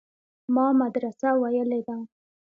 ما مدرسه ويلې ده.